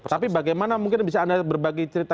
tapi bagaimana mungkin bisa anda berbagi cerita